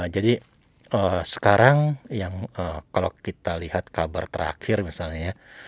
jadi sekarang yang kalau kita lihat kabar terakhir misalnya ya